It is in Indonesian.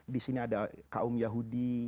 di sini ada kaum yahudi